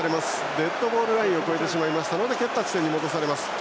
デッドゴールラインを超えてしまったので蹴った地点に戻されます。